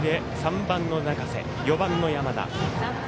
３番の中瀬、４番の山田。